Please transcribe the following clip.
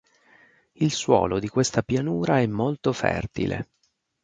Il suolo di questa pianura è molto fertile.